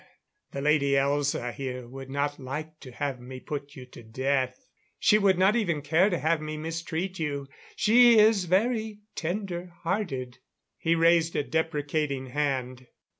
The Lady Elza here would not like to have me put you to death. She would not even care to have me mistreat you. She is very tender hearted." He raised a deprecating hand.